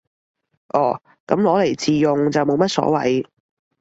哦，噉攞嚟自用就冇乜所謂